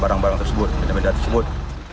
barang barang tersebut benda benda tersebut